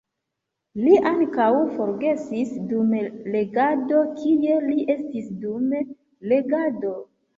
Li ankaŭ forgesis dum legado, kie li estis dum legado.